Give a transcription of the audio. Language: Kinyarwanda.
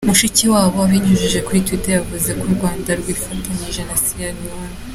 Mushikiwabo, abinyujije kuri Twitter yavuze ko u Rwanda rwifatanyije na Sierra Leone.